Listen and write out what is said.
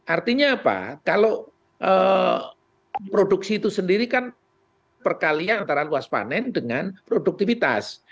artinya apa kalau produksi itu sendiri kan perkalian antara luas panen dengan produktivitas